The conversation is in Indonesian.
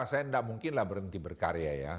saya tidak mungkinlah berhenti berkarya ya